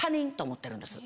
思ってるんです